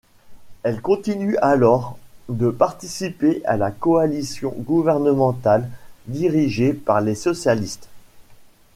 Elle continue alors de participer à la coalition gouvernementale dirigée par les socialistes.